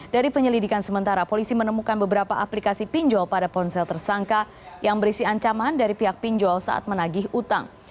dari penyelidikan sementara polisi menemukan beberapa aplikasi pinjol pada ponsel tersangka yang berisi ancaman dari pihak pinjol saat menagih utang